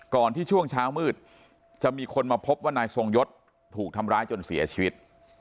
ที่ช่วงเช้ามืดจะมีคนมาพบว่านายทรงยศถูกทำร้ายจนเสียชีวิต